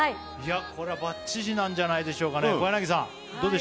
これはバッチシなんじゃないでしょうかね。